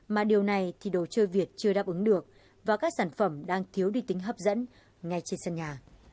mà điều này thì đồ chơi việt chưa đáp ứng được và các sản phẩm đang thiếu đi tính hấp dẫn ngay trên sân nhà